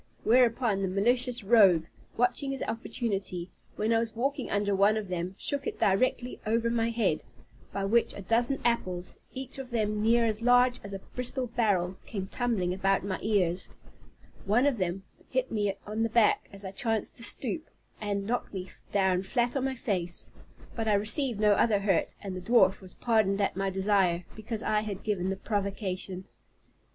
Whereupon, the malicious rogue, watching his opportunity, when I was walking under one of them, shook it directly over my head, by which a dozen apples, each of them near as large as a Bristol barrel, came tumbling about my ears; one of them hit me on the back as I chanced to stoop, and knocked me down flat on my face; but I received no other hurt, and the dwarf was pardoned at my desire, because I had given the provocation.